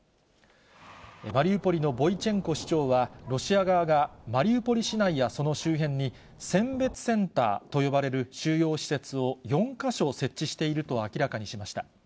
マリウポリのボイチェンコ市長は、ロシア側がマリウポリ市内やその周辺に、選別センターと呼ばれる収容施設を４か所設置していると明らかにしました。